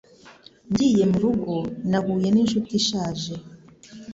Ngiye mu rugo, nahuye n'inshuti ishaje.